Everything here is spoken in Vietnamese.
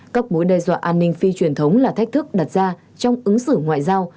các mối đe dọa an ninh phi truyền thống là thách thức đặt ra trong ứng xử ngoại giao